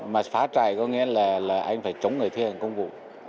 mà phá trại có nghĩa là anh phải chống người thi hành công vụ